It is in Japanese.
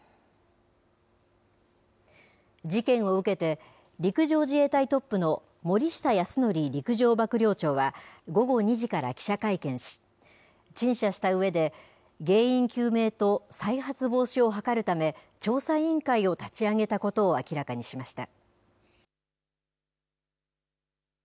事件を受けて、陸上自衛隊トップの森下泰臣陸上幕僚長は、午後２時から記者会見し、陳謝したうえで、原因究明と再発防止を図るため、調査委員会を立ち上げたことを明らかにしました。